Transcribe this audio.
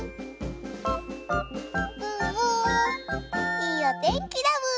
いいおてんきだブー。